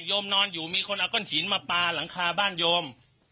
โยมนอนอยู่มีคนเอาก้อนหินมาปลาหลังคาบ้านโยม